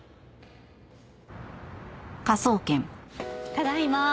ただいま。